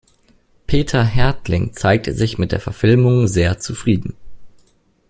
Peter Härtling zeigte sich mit der Verfilmung sehr zufrieden.